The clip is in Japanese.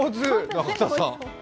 中田さん。